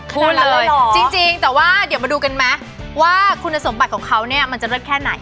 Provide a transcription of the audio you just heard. คุณจริงแต่ว่าเดี๋ยวมาดูกันไหมว่าคุณสมบัติของเขาเนี่ยมันจะเลิศแค่ไหน